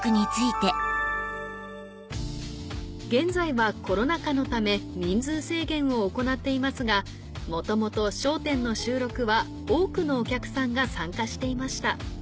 現在はコロナ禍のため人数制限を行っていますが元々『笑点』の収録は多くのお客さんが参加していました